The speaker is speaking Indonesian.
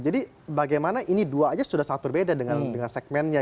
jadi bagaimana ini dua aja sudah sangat berbeda dengan lainnya